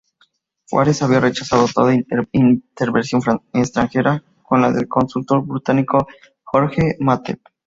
Juárez había rechazado toda intervención extranjera, como la del cónsul británico George B. Mathew.